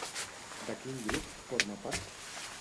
De quin grup forma part?